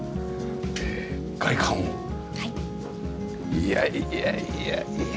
いやいやいやいや！